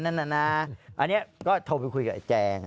อันนี้จะโทษคุยกับไอ้แจง